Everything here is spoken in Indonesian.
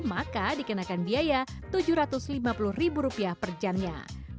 maka dikenakan biaya rp tujuh ratus lima puluh ribu rupiah per jamnya